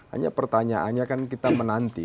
hanya pertanyaannya kan kita menanti